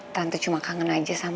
tante cuma kangen aja sama